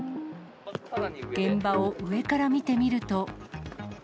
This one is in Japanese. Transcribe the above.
現場を上から見てみると。